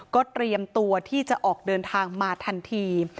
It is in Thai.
ก็เตรียมตัวที่จะออกเดินทางมาทันที